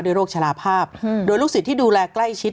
โรคชะลาภาพโดยลูกศิษย์ที่ดูแลใกล้ชิด